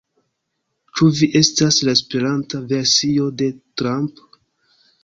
Ĉu vi estas la esperanta versio de Trump?